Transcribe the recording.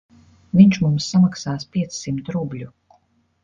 Viņš mums samaksās piecsimt rubļu.